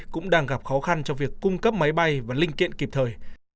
cũng đang gặp khó khăn cho việc cung cấp máy bay và linh kiện kịp thời